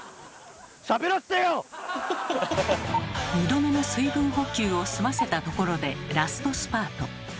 ２度目の水分補給を済ませたところでラストスパート。